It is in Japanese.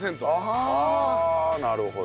ああなるほど。